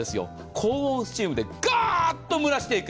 高温スチームでがーっと蒸らしていく。